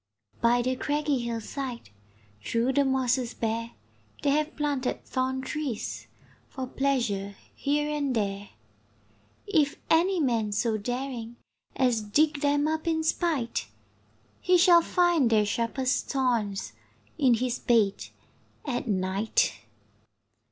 By the craggy hill side, Through the mosses bare, They have planted thorn trees For pleasure here and there. If any man so daring As dig them up in spite, He shall find their sharpest thorns In his bed at night.